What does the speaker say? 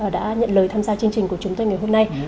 đã nhận lời tham gia chương trình của chúng tôi ngày hôm nay